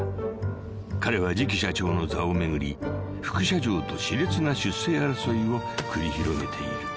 ［彼は次期社長の座を巡り副社長と熾烈な出世争いを繰り広げている］